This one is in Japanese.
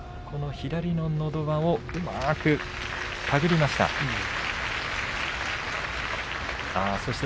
左ののど輪をうまく手繰りました。